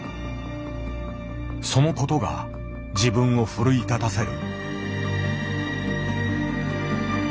そのことが自分を奮い立たせる。